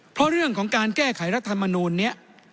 เพราะเรื่องของการแก้ไขรัฐมนูลนี้